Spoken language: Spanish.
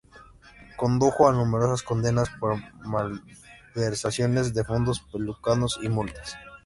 Condujo a numerosas condenas por malversación de fondos, peculado y multas.